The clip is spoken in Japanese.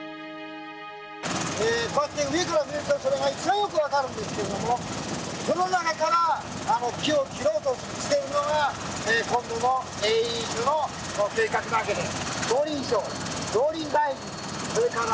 こうやって上から見ると一番よく分かるんですけれどもこの中から木を切ろうとしているのが今度の営林署の計画なわけです。